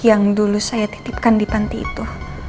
yang dulu saya titipkan di panti itu